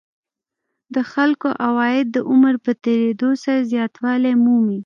د خلکو عواید د عمر په تېرېدو سره زیاتوالی مومي